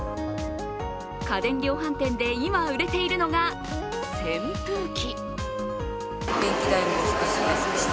家電量販店で今、売れているのが扇風機。